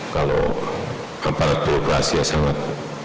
kalau aparatur birokrasi sangat